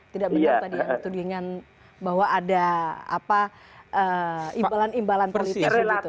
tidak benar tadi yang ditudingkan bahwa ada imbalan imbalan politik